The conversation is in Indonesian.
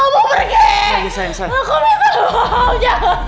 tapi di downloads